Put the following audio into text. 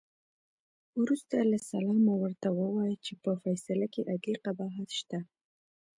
وروسته له سلامه ورته ووایه چې په فیصله کې عدلي قباحت شته.